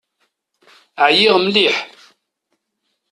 Ɛyiɣ mliḥ.